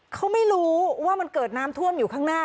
เขาไม่รู้ว่ามันเกิดน้ำท่วมอยู่ข้างหน้า